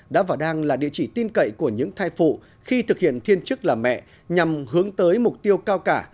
đã và đang là địa chỉ tin cậy của những thai phụ khi thực hiện thiên chức là mẹ nhằm hướng tới mục tiêu cao cả